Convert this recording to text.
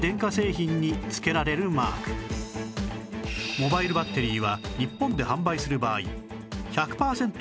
モバイルバッテリーは日本で販売する場合１００パーセント